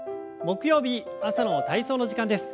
木曜日朝の体操の時間です。